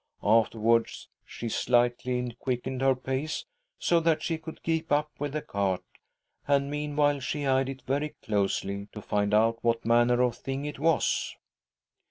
Afterwards she slightly quickened her pace so that she could keep up with the cart, and meanwhile she eyed it very closely to find out what manner of thing it was.